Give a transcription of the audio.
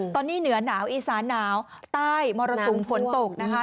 ตอนนี้เหนือหนาวอีสานหนาวใต้มรสุมฝนตกนะคะ